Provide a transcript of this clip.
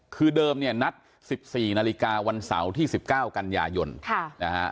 คือเดิมเนี่ยนัดสิบสี่นาฬิกาวันเสาร์ที่สิบเก้ากันยายนค่ะนะฮะ